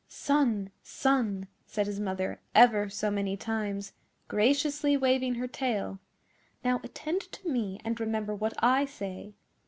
'Son, son!' said his mother ever so many times, graciously waving her tail, 'now attend to me and remember what I say.